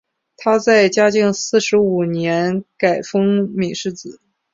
他在嘉靖四十五年改封岷世子。